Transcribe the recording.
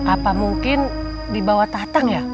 apa mungkin dibawa tatang ya